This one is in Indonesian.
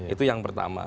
itu yang pertama